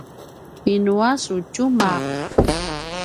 inu a su tjumaq?